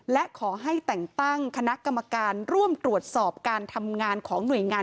และขอให้แต่งตั้งคณะกรรมการร่วมตรวจสอบการทำงานของหน่วยงาน